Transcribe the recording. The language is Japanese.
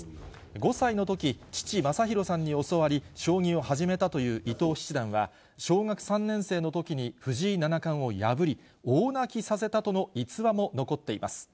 ５歳のとき、父、まさひろさんに教わり、将棋を始めたという伊藤七段は、小学３年生のときに藤井七冠を破り、大泣きさせたとの逸話も残っています。